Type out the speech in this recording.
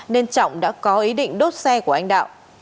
nên trọng đã có ý định đốt xe của anh đạo